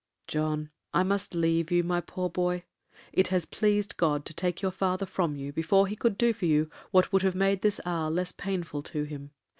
'John, I must leave you, my poor boy; it has pleased God to take your father from you before he could do for you what would have made this hour less painful to him.